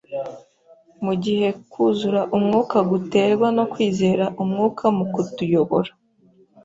mu gihe kwuzura Umwuka guterwa no kwizera Umwuka mu kutuyobora.